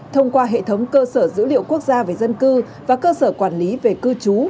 thông qua hệ thống cơ sở dữ liệu quốc gia về dân cư và cơ sở quản lý về cư trú